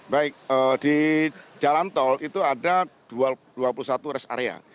baik di jalan tol itu ada dua puluh satu rest area